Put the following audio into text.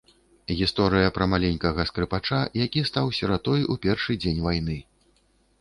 Гісторыя пра маленькага скрыпача, які стаў сіратой у першы дзень вайны.